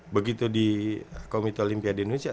begitu di komite olimpia di indonesia